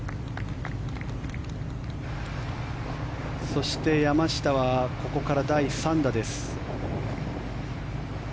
そして、山下はここから第３打です。